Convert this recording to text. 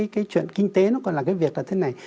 cái chuyện kinh tế nó còn là cái việc là thế này